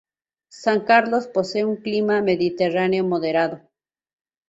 San Carlos posee un clima mediterráneo moderado.